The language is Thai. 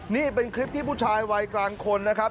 นี่เป็นคลิปที่ผู้ชายวัยกลางคนนะครับ